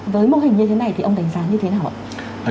với mô hình như thế này thì ông đánh giá như thế nào ạ